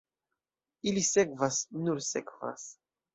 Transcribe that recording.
Ili sekvas, nur sekvas.